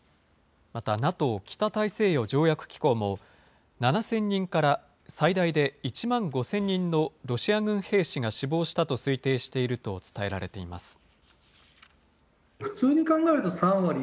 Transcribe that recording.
またＮＡＴＯ・北大西洋条約機構も、７０００人から最大で１万５０００人のロシア軍兵士が死亡したと推定していると伝えられています。